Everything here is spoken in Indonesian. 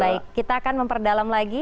baik kita akan memperdalam lagi